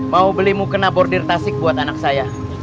mau belimu kena bordir tasik buat anak saya